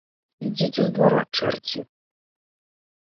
Ідзіце з двара, чэрці!